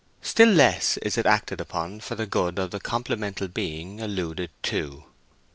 Still less is it acted upon for the good of the complemental being alluded to.